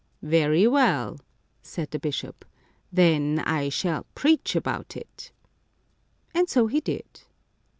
"Very well," said the bishop, "then I shall preach about it." And so he did.